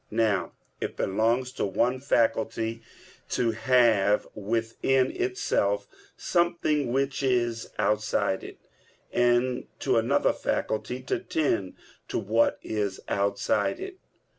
Now it belongs to one faculty to have within itself something which is outside it, and to another faculty to tend to what is outside it.